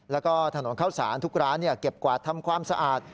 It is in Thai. แล้วก็ถนนเข้าสารทุกร้านเก็บกวาดทำความสะอาด